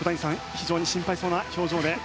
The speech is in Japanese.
非常に心配そうな表情で。